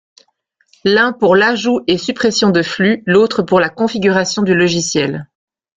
L'un pour l'ajout et suppression de flux, l'autre pour la configuration du logiciel.